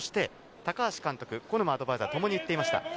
そして高橋監督、古沼アドバイザーはともに言っていました。